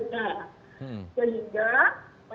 sehingga pada saat yang bersyakutan